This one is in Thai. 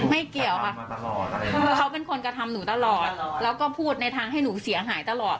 ไม่เกี่ยวค่ะเขาเป็นคนกระทำหนูตลอดแล้วก็พูดในทางให้หนูเสียหายตลอด